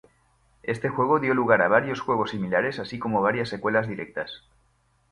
Este juego dio lugar a varios juegos similares, así como varias secuelas directas.